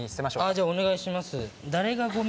じゃあお願いします。